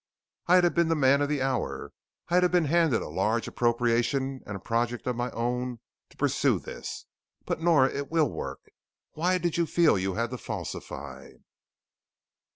"I'd have been the man of the hour. I'd have been handed a large appropriation and a project of my own to pursue this But Nora, it will work. Why did you feel that you had to falsify?"